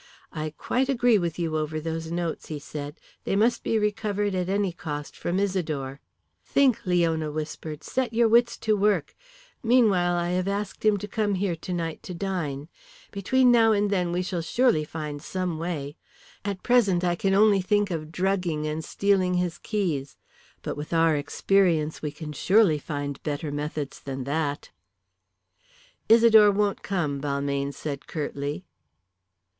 "I quite agree with you over those notes," he said. "They must be recovered at any cost from Isidore." "Think," Leona whispered, "set your wits to work. Meanwhile I have asked him to come here tonight to dine. Between now and then we shall surely find some way. At present I can only think of drugging and stealing his keys. But with our experience we can surely find better methods than that." "Isidore won't come," Balmayne said, curtly.